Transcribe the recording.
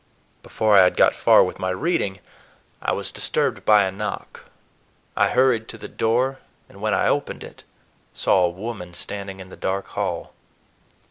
Before I had got far with my reading I was disturbed by a knock. I hurried to the door and when I opened it saw a woman standing in the dark hall.